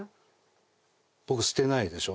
僕捨てないでしょ。